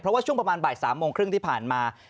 เพราะว่าช่วงประมาณบ่าย๓โมงครึ่งที่ผ่านมา